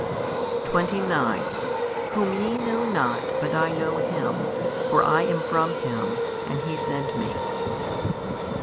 29 Whom YE know not, but I know Him, for I am from Him, and He sent Me.